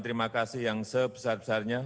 terima kasih yang sebesar besarnya